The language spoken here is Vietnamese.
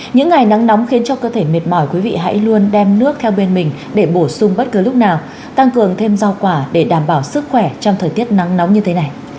những ngày nắng nóng khiến cho cơ thể mệt mỏi quý vị hãy luôn đem nước theo bên mình để bổ sung bất cứ lúc nào tăng cường thêm rau quả để đảm bảo sức khỏe trong thời tiết nắng nóng như thế này